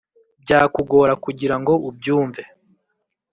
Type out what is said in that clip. byakugora kugira ngo ubyumve